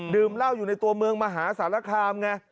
ดื่มเหล้าอยู่ในตัวเมืองมหาสารคามไง